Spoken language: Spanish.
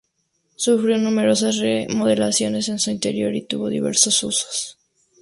Sufrió numerosas remodelaciones en su interior y tuvo diversos usos.